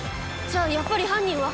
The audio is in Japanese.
じゃあやっぱり犯人は。